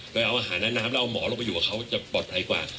ไปเอาอาหารและน้ำแล้วเอาหมอลงไปอยู่กับเขาจะปลอดภัยกว่า